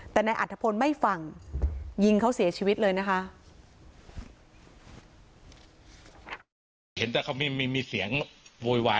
แต่นายอัฐพลไม่ฟังยิงเขาเสียชีวิตเลยนะคะ